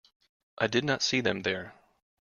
I did not see them there.